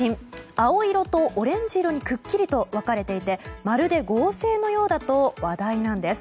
青色とオレンジ色にくっきりと分かれていてまるで合成のようだと話題です。